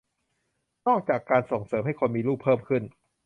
นอกจากการส่งเสริมให้คนมีลูกเพิ่มขึ้น